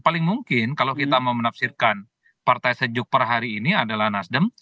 paling mungkin kalau kita mau menafsirkan partai sejuk per hari ini adalah nasdem